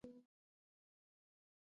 نفت د افغانانو د معیشت سرچینه ده.